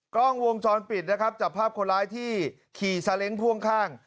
กล้องวงจรปิดนะครับจับภาพคนร้ายที่ขี่ซาเล้งพ่วงข้าง